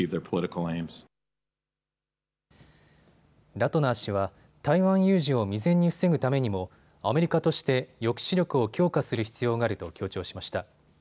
ラトナー氏は台湾有事を未然に防ぐためにもアメリカとして抑止力を強化する必要があると強調しました。